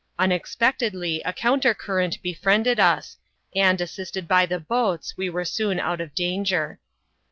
Unex pectedly a countercurrent befriended us, and assisted by the boats we were soon out of danger.